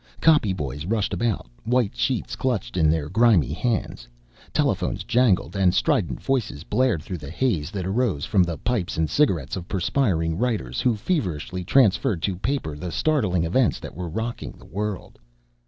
Copy boys rushed about, white sheets clutched in their grimy hands. Telephones jangled and strident voices blared through the haze that arose from the pipes and cigarettes of perspiring writers who feverishly transferred to paper the startling events that were rocking the world.